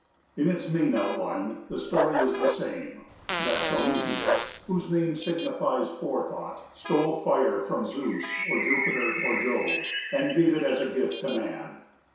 In its main outline the story is the same: that Prometheus, whose name signifies Forethought, stole fire from Zeus, or Jupiter, or Jove, and gave it as a gift to man.